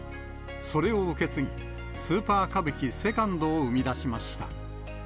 それを受け継ぎ、スーパー歌舞伎セカンドを生み出しました。